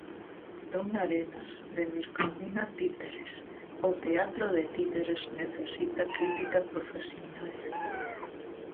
Ton Arenas, de Mircromina Títeres: "O teatro de títeres necesita crítica profesional".